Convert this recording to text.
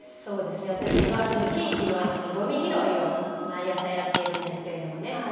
私は地域のごみ拾いを毎朝やっているんですけどね。